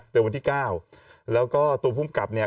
เติบวันที่๙แล้วก็ตัวภูมิการ์บเนี่ย